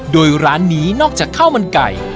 โดยร้านนี้นอกจากข้าวมันไก่